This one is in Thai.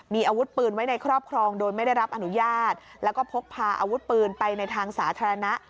มีอาวุธปืนไว้ในครอบครองโดยไม่ได้รับอนุญาตแล้วก็พกพาอาวุธปืนไปในทางสาธารณะ